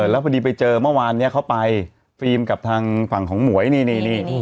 แล้วพอดีไปเจอเมื่อวานนี้เขาไปฟิล์มกับทางฝั่งของหมวยนี่